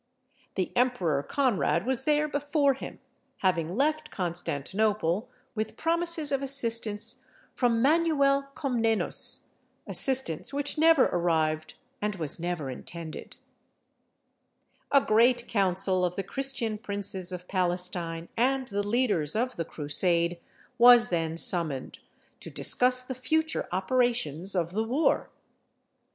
The Emperor Conrad was there before him, having left Constantinople with promises of assistance from Manuel Comnenus assistance which never arrived, and was never intended. [Illustration: DAMASCUS.] A great council of the Christian princes of Palestine, and the leaders of the Crusade, was then summoned, to discuss the future operations of the war.